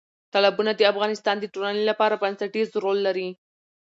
تالابونه د افغانستان د ټولنې لپاره بنسټيز رول لري.